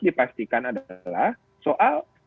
dipastikan adalah soal